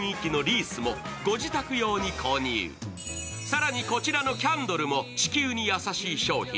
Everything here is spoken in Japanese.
更にこちらのキャンドルも地球に優しい商品。